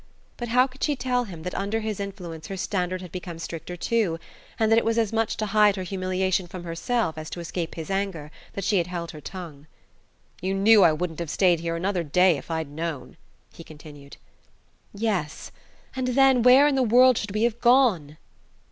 But how could she tell him that under his influence her standard had become stricter too, and that it was as much to hide her humiliation from herself as to escape his anger that she had held her tongue? "You knew I wouldn't have stayed here another day if I'd known," he continued. "Yes: and then where in the world should we have gone?"